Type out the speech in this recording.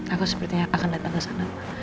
aku sepertinya akan datang ke sana